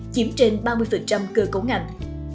chiếm trên ba mươi cơ cấu ngành